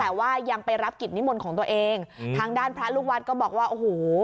แต่ว่ายังไปรับกิจนิมนต์ของตัวเองทางด้านพระลูกวัดก็บอกว่าโอ้โห